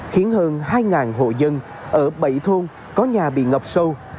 khiến hơn hai hộ dân ở bảy thôn có nhà bị ngập sâu